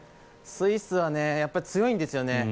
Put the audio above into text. スイスはやっぱり強いんですよね。